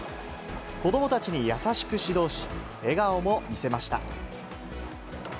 子どもたちに優しく指導し、笑顔も見せました。